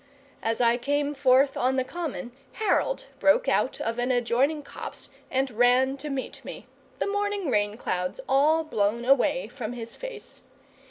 As I came forth on the common Harold broke out of an adjoining copse and ran to meet me, the morning rain clouds all blown away from his face.